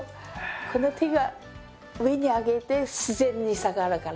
この手が上に上げて自然に下がるからね。